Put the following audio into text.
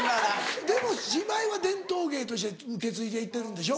でも芝居は伝統芸として受け継いでいってるんでしょ？